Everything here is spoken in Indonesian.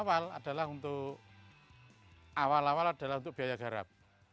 dalam waktu itu brekkel awal adalah untuk biaya garap